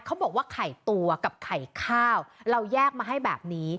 เขาบอกว่าไข่ตัวกับไข่ข้าวเราแยกมาให้แบบนี้